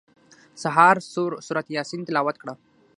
سهار سورت یاسین تلاوت کړه.